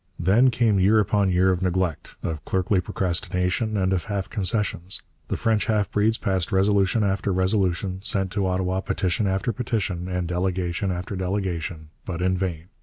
Then came year upon year of neglect, of clerkly procrastination, and of half concessions. The French half breeds passed resolution after resolution, sent to Ottawa petition after petition and delegation after delegation, but in vain.